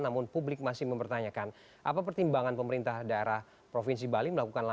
namun publik masih mempertanyakan apa pertimbangan pemerintah daerah provinsi bali